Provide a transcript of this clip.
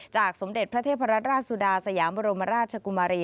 สมเด็จพระเทพรัตราชสุดาสยามบรมราชกุมารี